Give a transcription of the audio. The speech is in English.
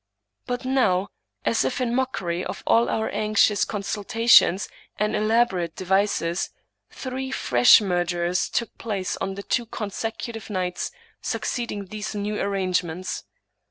But now, as if in mockery of all our anxious consultations and elaborate devices, three fresh murders took place on the two consecutive nights succeeding these new arrangements.